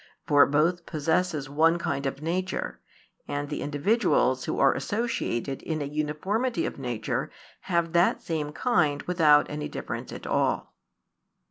For both possess one kind of nature, and the individuals who are associated in a uniformity of nature have that same kind without any difference at all.